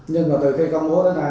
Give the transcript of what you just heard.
nhưng mà từ khi công bố đến nay